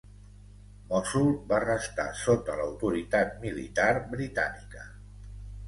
Mossul va restar sota l'autoritat militar britànica.